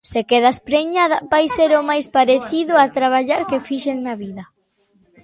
Se quedas preñada, vai ser o máis parecido a traballar que fixen na vida.